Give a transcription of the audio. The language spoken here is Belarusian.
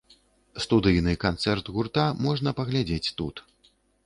Студыйны канцэрт гурта можна паглядзець тут.